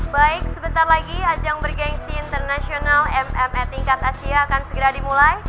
baik sebentar lagi ajang bergensi internasional mma tingkat asia akan segera dimulai